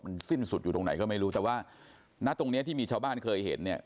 มันสิ้นสุดอยู่ตรงไหนก็ไม่รู้แต่ว่าณตรงเนี้ยที่มีชาวบ้านเคยเห็นเนี่ย